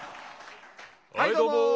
はいどうも！